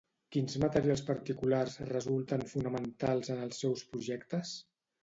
Quins materials particulars resulten fonamentals en els seus projectes?